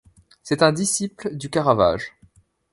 C'est un disciple du Caravage.